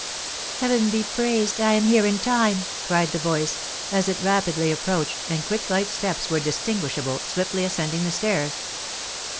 "Heaven be praised, I am here in time!" cried the voice, as it rapidly approached, and quick, light steps were distinguishable, swiftly ascending the stairs.